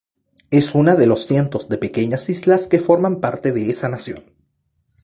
Es una de los cientos de pequeñas islas que forman parte de esa nación.